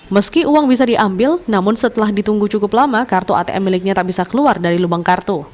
meski uang bisa diambil namun setelah ditunggu cukup lama kartu atm miliknya tak bisa keluar dari lubang kartu